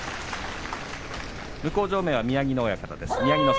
向正面は宮城野親方です。